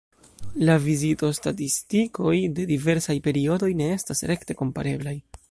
La vizitostatistikoj de diversaj periodoj ne estas rekte kompareblaj.